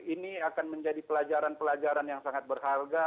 ini akan menjadi pelajaran pelajaran yang sangat berharga